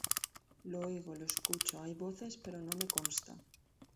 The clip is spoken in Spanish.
Lo oigo, lo escucho, hay voces, pero no me consta.